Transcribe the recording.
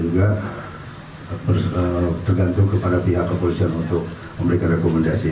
juga tergantung kepada pihak kepolisian untuk memberikan rekomendasi